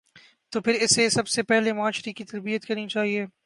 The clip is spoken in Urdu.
تو پھر اسے سب سے پہلے معاشرے کی تربیت کرنی چاہیے۔